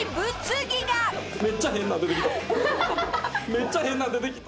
めっちゃ変なの出てきた。